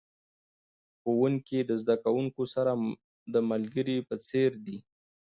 ښوونکي د زده کوونکو سره د ملګري په څیر دي.